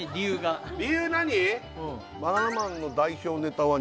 理由何？